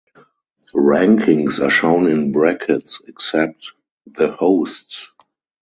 Rankings are shown in brackets except the hosts.